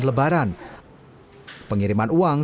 lebaran pengiriman uang